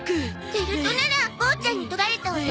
ベルトならボーちゃんに取られたわよ。